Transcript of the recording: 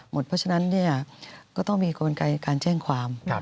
เพราะฉะนั้นก็ต้องมีกลไกการแจ้งความ